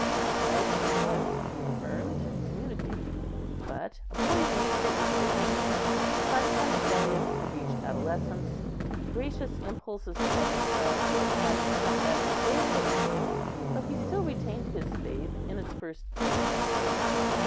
Baptized he was, confirmed, communicated; but a boy's nature is variable, and by the time Agellius had reached adolescence, the gracious impulses of his childhood had in some measure faded away, though he still retained his faith in its first keenness and vigour.